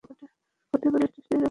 হতে পারে টেস্টে এরকম কিছু এসেছে।